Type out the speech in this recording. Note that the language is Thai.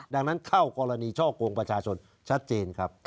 ดังนั้นเข้ากรณีช่อกงประชาชนชัดเจนครับ